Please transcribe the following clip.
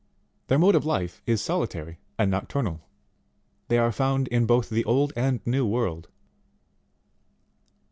Their mode of life is solitary and nocturnal. They are found in both the old and new world.